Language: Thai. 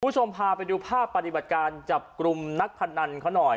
คุณผู้ชมพาไปดูภาพปฏิบัติการจับกลุ่มนักพนันเขาหน่อย